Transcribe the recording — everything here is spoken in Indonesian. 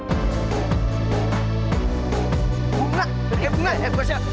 bunga berkep bunga eh gue siap